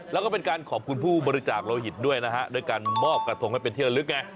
แล้วก็เป็นการขอบคุณผู้บริจาคโลหิตด้วยนะฮะด้วยการมอบกระทงให้เป็นเที่ยวลึกไง